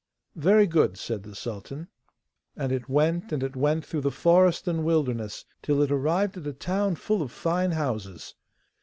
'Very good,' said the sultan. And it went and it went through the forest and wilderness, till it arrived at a town full of fine houses.